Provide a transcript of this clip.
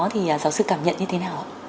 thì giáo sư cảm nhận như thế nào ạ